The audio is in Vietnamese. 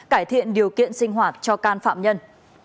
cải thiện điều kiện sinh hoạt cho can phạm nhân